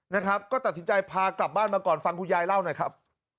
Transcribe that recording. นะครับก็ตัดสินใจพากลับบ้านมาก่อนฟังคุณยายเล่าหน่อยครับ